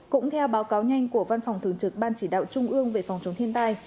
cũng theo báo cáo nhanh của văn phòng thường trực ban chỉ đạo trung ương về phòng chống thiên tai